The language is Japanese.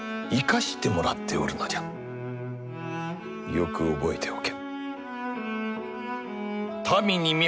よく覚えておけ。